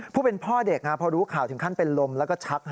ผู้เป็นพ่อเด็กพอรู้ข่าวถึงขั้นเป็นลมแล้วก็ชัก